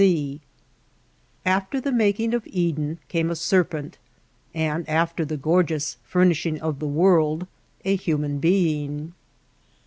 C. After the making of Eden came a serpent, and after the gorgeous furnishing of the world, a human being.